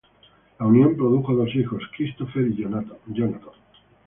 La unión produjo dos hijos, Christopher y Jonathan.